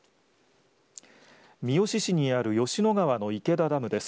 三好市にある吉野川の池田ダムです。